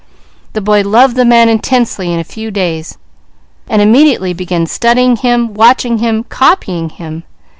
The boy loved the man intensely in a few days, and immediately began studying with him, watching him, copying him.